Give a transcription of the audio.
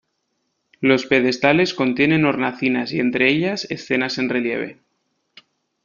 Los pedestales contienen hornacinas y entre ellas escenas en relieve.